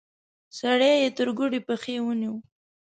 سړی يې تر ګوډې پښې ونيو.